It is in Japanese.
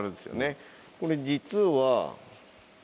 これ実は。